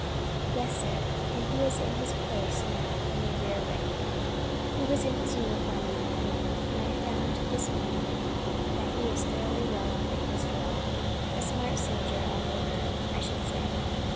"Yes, sir, and he is in his place now in the rear rank. He was in his uniform when he came, and I found this morning that he is thoroughly well up in his drill. A smart soldier all over, I should say.